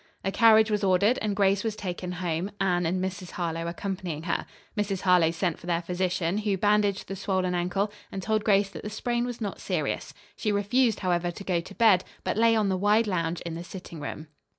A carriage was ordered and Grace was taken home, Anne and Mrs. Harlowe accompanying her. Mrs. Harlowe sent for their physician, who bandaged the swollen ankle, and told Grace that the sprain was not serious. She refused, however, to go to bed, but lay on the wide lounge in the sitting room.